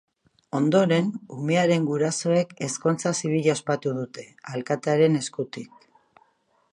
Ondoren, umearen gurasoek ezkontza zibila ospatu dute, alkatearen eskutik.